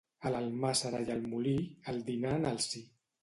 A l'almàssera i al molí, el dinar en el si.